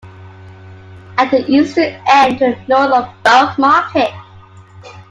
At the eastern end to the north is Borough Market.